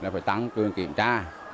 phải tăng cường kiểm tra